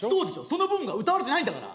その部分が歌われてないんだから。